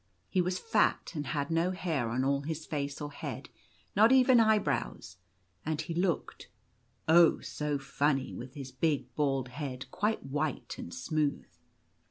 He was fat, and had no hair on all his face or head, not even eyebrows, and he looked — oh! so funny, with his big bald head quite white "and smooth.